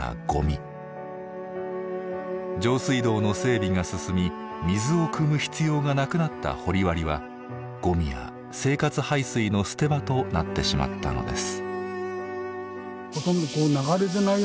上水道の整備が進み水をくむ必要がなくなった掘割はゴミや生活排水の捨て場となってしまったのです。